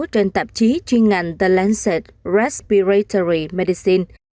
trên tạp chí chuyên ngành the lancet respiratory medicine